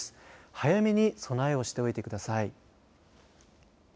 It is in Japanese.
早めに備えをしておいてください。